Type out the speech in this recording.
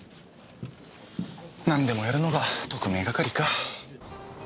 なんでもやるのが特命係か。